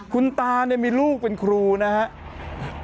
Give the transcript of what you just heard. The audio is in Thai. คุณตาเนี่ยมีลูกเป็นครูนะครับ